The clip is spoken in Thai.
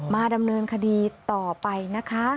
มาดำเนินคดีต่อไปนะคะ